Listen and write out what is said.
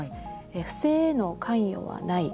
不正への関与はない。